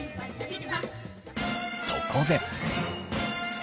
そこで。